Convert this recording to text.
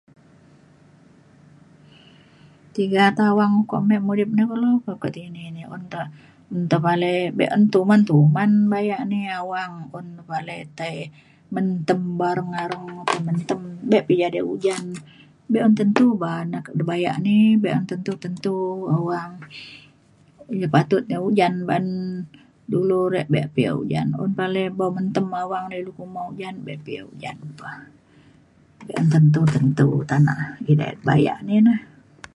Tiga ta awang ukok ame mudip na kulo po ko tini ni un ta tepalei be’un tuman tuman bayak ni awang un tepalei tai mentem bareng areng mentem be pa ia’ jadi ujan be’un tentu ba na ke bayak ni be’un tentu tentu awang je patut ujan uban dulu re be pa ia’ ujan un palei bo mentem awang ilu pemung ujan be pa ia’ ujan pa. Be’un tentu tentu tana edei bayak ni na.